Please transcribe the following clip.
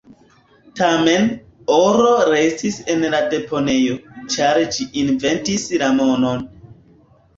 Tamen, oro restis en la deponejo, ĉar ĝi "inventis" la monon.